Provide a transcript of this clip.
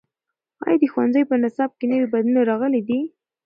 ایا د ښوونځیو په نصاب کې نوي بدلونونه راغلي دي؟